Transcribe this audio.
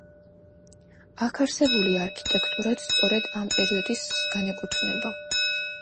აქ არსებული არქიტექტურაც სწორედ ამ პერიოდს განეკუთვნება.